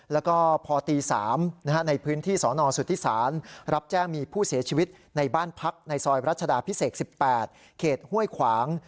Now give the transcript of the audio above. แล้วก็พอตี๓ในพื้นที่สนสุธิศาลรับแจ้งมีผู้เสียชีวิตในบ้านพักในซอยรัชดาพิเศษ๑๘เขตห้วยขวาง